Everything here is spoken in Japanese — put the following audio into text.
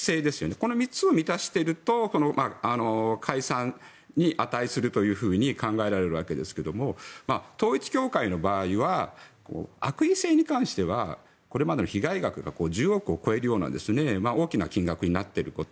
この３つを満たしていると解散に値するというふうに考えられるわけですが統一教会の場合は悪意性に関してはこれまでの被害額が１０億を超えるような大きな金額になっていること